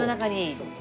そうです。